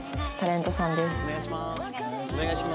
タレントさんです。